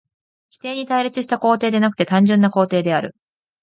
否定に対立した肯定でなくて単純な肯定である。